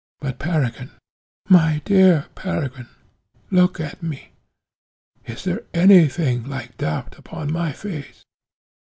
But, Peregrine, my dear Peregrine, look at me; is there any thing like doubt upon my face?